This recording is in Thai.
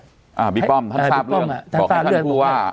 อ่าบิ๊กป้อมทำซาบเรื่องบอกให้ท่านผู้ว่า